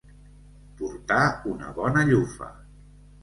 Portar una bona llufa.